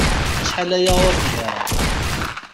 Acḥal aya ur nhireɣ.